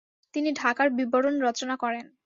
তিনি 'ঢাকার বিবরণ' রচনা করেন।